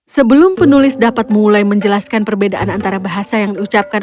sebelum penulis dapat mulai menjelaskan perbedaan antara bahasa yang diucapkan